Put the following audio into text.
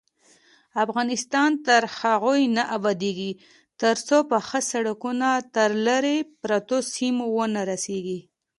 افغانستان تر هغو نه ابادیږي، ترڅو پاخه سړکونه تر لیرې پرتو سیمو ونه رسیږي.